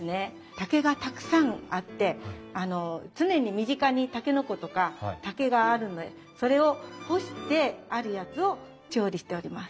竹がたくさんあって常に身近にタケノコとか竹があるんでそれを干してあるやつを調理しております。